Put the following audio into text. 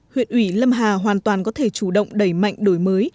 huyện ủy lâm hà hoàn toàn có thể chủ động đẩy mạnh đổi mới